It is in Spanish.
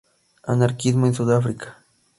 Anarquismo en Sudáfrica